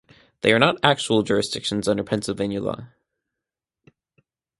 They are not actual jurisdictions under Pennsylvania law.